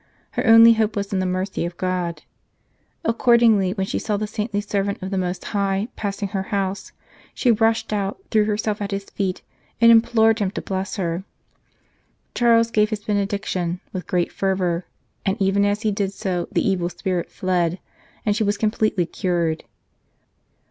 Her only hope was in the mercy of God. Accordingly, when she saw the saintly servant of the Most High passing her house, she rushed out, threw herself at his feet, and implored him to bless her. Charles gave her his benediction with great fervour, and even as he did so the evil spirit fled, and she was completely cured.